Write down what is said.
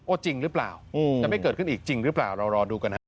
จริงหรือเปล่าจะไม่เกิดขึ้นอีกจริงหรือเปล่าเรารอดูกันฮะ